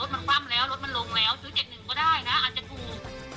มันคว่ำแล้วรถมันลงแล้วถือเจ็ดหนึ่งก็ได้น่ะอาจจะถูก